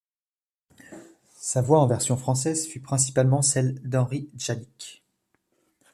Sa voix en version française fut principalement celle d’Henry Djanik.